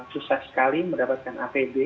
susah sekali mendapatkan apd